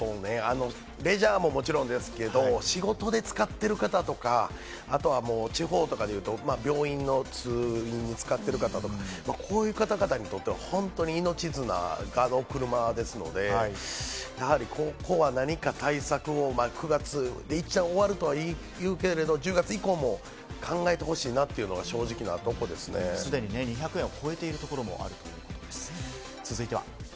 レジャーももちろんですけれども、仕事で使ってる方とか、あと地方とかでいうと病院の通院に使ってる方、こういう方々にとって本当に命綱の車ですので、やはりここは何か対策を、９月で一応、終わるとは言うけれども、１０月以降も考えてほしいすでに２００円を超えているところもあるということです。